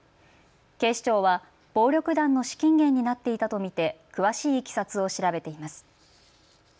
警視庁は暴力団の資金源になっていたと見て詳しいいきさつを調べています。